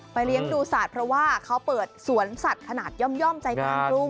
เลี้ยงดูสัตว์เพราะว่าเขาเปิดสวนสัตว์ขนาดย่อมใจกลางกรุง